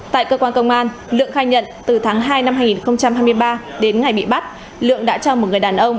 tại cơ quan công an lượng khai nhận từ tháng hai năm hai nghìn hai mươi ba đến ngày bị bắt lượng đã cho một người đàn ông